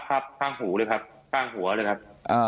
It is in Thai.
ครับครับข้างหัวเลยครับ